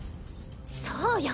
そうよ